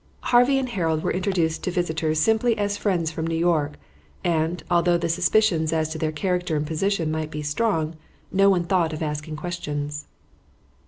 Harvey and Harold were introduced to visitors simply as friends from New York, and, although the suspicions as to their character and position might be strong, no one thought of asking questions.